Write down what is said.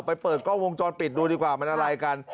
เปิดกล้องวงจรปิดดูดีกว่ามันอะไรกัน